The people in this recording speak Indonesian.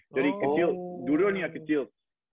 jadi kecil dua duanya kecil